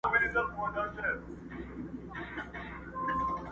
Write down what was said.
سیوري ته د پلونو مي کاروان راسره وژړل!!